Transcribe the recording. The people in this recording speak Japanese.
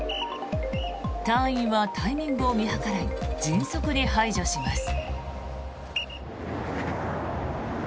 隊員はタイミングを見計らい迅速に排除します。